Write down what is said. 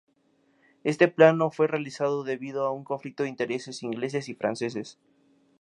Este plan no fue realizado debido a un conflicto de intereses ingleses y franceses.